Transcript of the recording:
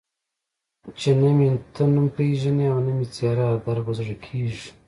چې نه مې ته نوم پېژنې او نه مې څېره در په زړه کېږي.